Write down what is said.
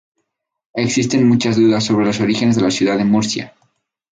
Existen muchas dudas sobre los orígenes de la ciudad de Murcia.